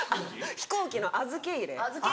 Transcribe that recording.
飛行機の預け入れ。